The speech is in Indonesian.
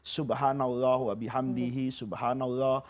subhanallah wa bihamdihi subhanallah